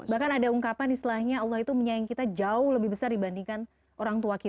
bahkan ada ungkapan istilahnya allah itu menyayang kita jauh lebih besar dibandingkan orang tua kita